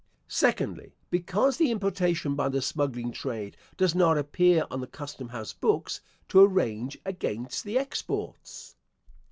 Secondly, Because the importation by the smuggling trade does not appear on the custom house books, to arrange against the exports.